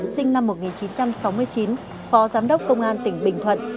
sinh năm một nghìn chín trăm sáu mươi chín phó giám đốc công an tỉnh bình thuận